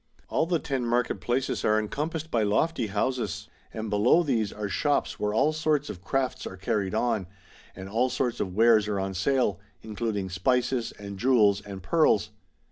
All the ten market places are encompassed by lofty i6o MARCO POLO. Book II. houses, and below these are shops where all sorts of crafts are carried on, and all sorts of wares are on sale, including spices and jewels and pearls.